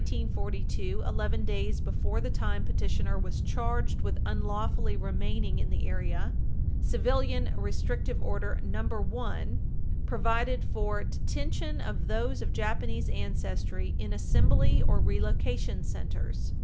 And on May 19, 1942, eleven days before the time petitioner was charged with unlawfully remaining in the area, Civilian Restrictive Order No. 1, 8 Fed.Reg. 982, provided for detention of those of Japanese ancestry in assembly or relocation centers.